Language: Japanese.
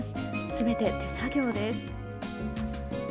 すべて手作業です。